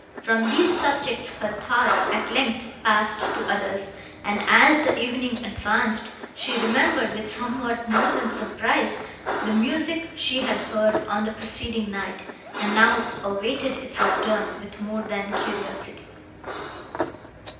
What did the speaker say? From these subjects, her thoughts, at length, passed to others; and, as the evening advanced, she remembered, with somewhat more than surprise, the music she had heard, on the preceding night, and now awaited its return, with more than curiosity.